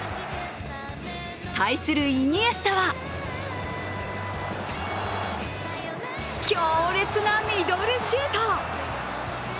対するイニエスタは強烈なミドルシュート。